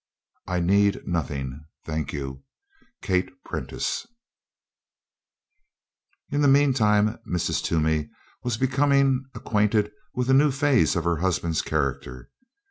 I need nothing. Thank you. KATE PRENTICE In the meantime Mrs. Toomey was becoming acquainted with a new phase of her husband's character.